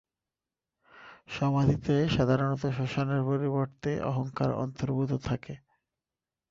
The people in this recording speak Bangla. সমাধিতে সাধারণত শ্মশানের পরিবর্তে অহংকার অন্তর্ভুক্ত থাকে।